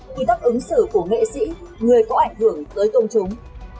quy tắc ứng xử của nghệ sĩ người có ảnh hưởng tới công chúng